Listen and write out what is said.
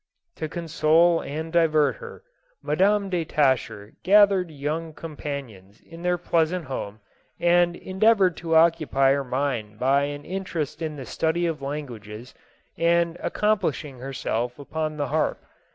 To console and divert her, Madam de Tascher gath ered young companions in their pleasant home, and endeavored to occupy her mind by an interest in the study of languages and accomplishing herself upon the harp.